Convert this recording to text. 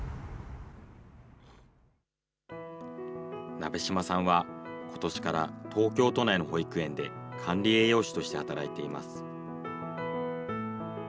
鍋島さんは、ことしから東京都内の保育園で管理栄養士として働いています。